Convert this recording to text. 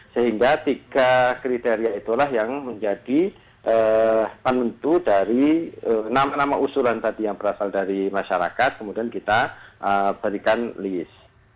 sehingga tiga kriteria itulah yang menjadi penentu dari nama nama usulan tadi yang berasal dari masyarakat kemudian kita berikan list